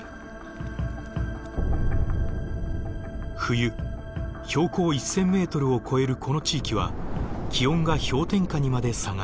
冬標高１，０００ｍを超えるこの地域は気温が氷点下にまで下がる。